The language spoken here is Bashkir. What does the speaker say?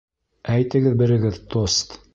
Әйтегеҙ берегеҙ тост.